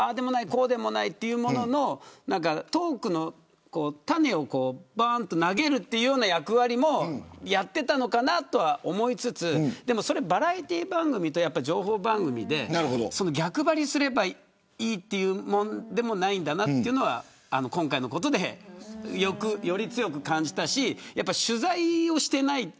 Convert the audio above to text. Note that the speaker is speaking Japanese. こうでもないというもののトークの種を投げるような役割もやってたのかなと思いつつそれはバラエティー番組と情報番組で逆張りすればいいというものでもないんだなというのは今回のことで、よく強く感じたしやっぱり取材をしていない。